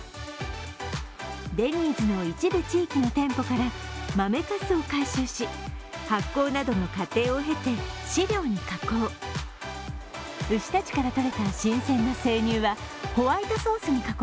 デニーズの一部地域の店舗から豆かすを回収し、発酵などの過程を経て飼料に加工。